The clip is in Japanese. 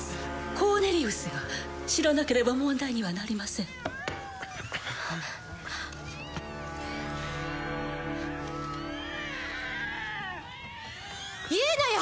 コーネリウスが知らなければ問題にはなりません言うのよ！